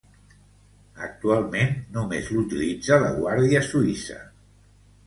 Actualment només l'utilitza la Guàrdia Suïssa.